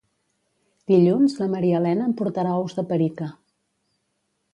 Dilluns la Maria Elena em portarà ous de perica